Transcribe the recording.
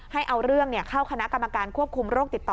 ให้เอาเรื่องเข้าคณะกรรมการควบคุมโรคติดต่อ